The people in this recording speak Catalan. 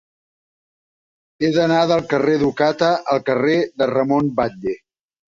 He d'anar del carrer d'Ocata al carrer de Ramon Batlle.